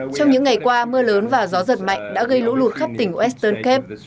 trong những ngày qua mưa lớn và gió giật mạnh đã gây lũ lụt khắp tỉnh western cape